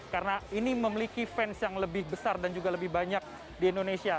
karena ini memiliki fans yang lebih besar dan juga lebih banyak di indonesia